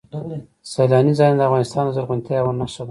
سیلاني ځایونه د افغانستان د زرغونتیا یوه نښه ده.